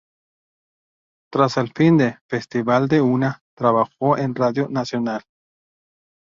Tras el fin de "Festival de la una" trabajó en Radio Nacional.